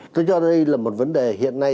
tôi cho đây là một vấn đề hiện nay